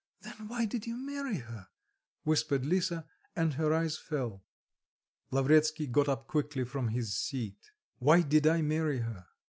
"Then why did you marry her?" whispered Lisa, and her eyes fell. Lavretsky got up quickly from his seat. "Why did I marry her?